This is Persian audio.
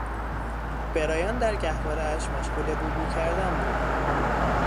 برایان در گهوارهاش مشغول بوبو کردن بود.